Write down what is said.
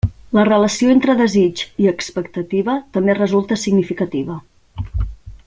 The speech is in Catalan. La relació entre desig i expectativa també resulta significativa.